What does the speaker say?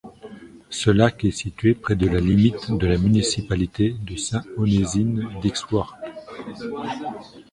Ce lac est situé près de la limite de la municipalité de Saint-Onésime-d'Ixworth.